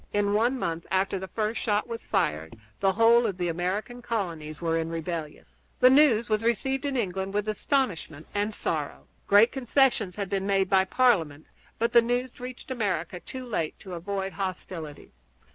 In one month after the first shot was fired the whole of the American colonies were in rebellion. The news was received in England with astonishment and sorrow. Great concessions had been made by Parliament, but the news had reached America too late to avoid hostilities.